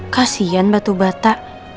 kasian batu bata